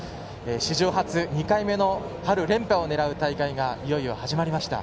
史上初２回目の春連覇を狙う大会がいよいよ始まりました。